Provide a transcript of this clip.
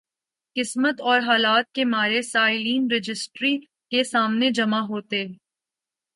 قسمت اور حالات کے مارے سائلین رجسٹری کے سامنے جمع ہوتے۔